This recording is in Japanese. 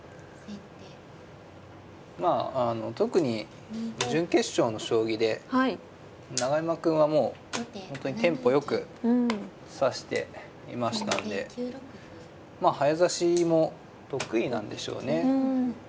まあ特に準決勝の将棋で永山くんはもう本当にテンポよく指していましたんでまあ早指しも得意なんでしょうね。